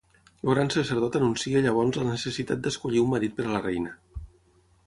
El gran sacerdot anuncia llavors la necessitat d'escollir un marit per a la reina.